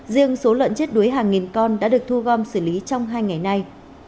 riêng số lợn chết đuối hàng nghìn con đã được thu gom xử lý trong hai ngày nay